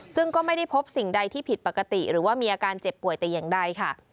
ซึ่งก็ไม่ได้พบสิ่งใดที่ผิดปกติหรือว่ามีอาการเจ็บป่วยแต่อย่างใดค่ะ